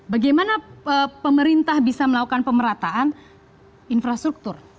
bagaimana pemerintah bisa melakukan pemerataan infrastruktur